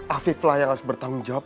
afif lah yang harus bertanggung jawab